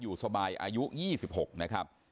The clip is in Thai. อยู่สบายอายุ๒๖นะครับ